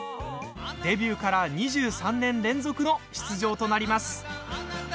デビューから２３年連続の出場となります。